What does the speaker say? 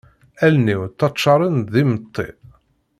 Allen-iw ttaččarent-d d immeṭṭi.